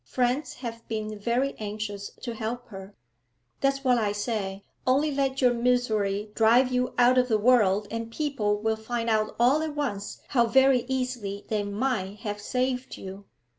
Friends have been very anxious to help her. That's what I say, only let your misery drive you out of the world, and people will find out all at once how very easily they might have saved you.